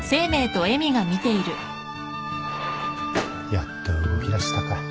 やっと動きだしたか。